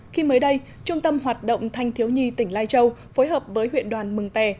khi mới đây trung tâm hoạt động thanh thiếu nhi tỉnh lai châu phối hợp với huyện đoàn mừng tè